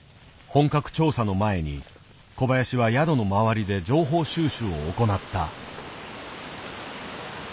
本格調査の前に小林は宿の周りで情報収集を行った。